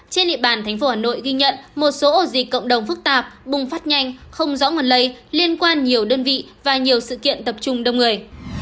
trên địa bàn thành phố hà nội ghi nhận một số ổ dịch cộng đồng phức tạp bùng phát nhanh không rõ nguồn lây liên quan nhiều đơn vị và nhiều sự kiện tập trung đông người